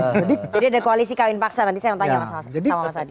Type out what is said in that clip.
jadi ada koalisi kawin paksa nanti saya yang tanya sama mas adi